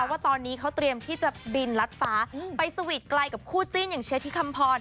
ว่าตอนนี้เขาเตรียมที่จะบินรัดฟ้าไปสวีทไกลกับคู่จิ้นอย่างเชฟที่คำพร